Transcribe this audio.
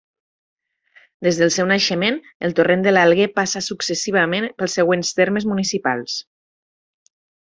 Des del seu naixement, el Torrent de l'Alguer passa successivament pels següents termes municipals.